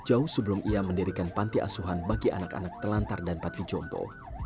jauh sebelum ia mendirikan panti asuhan bagi anak anak telantar dan panti jompo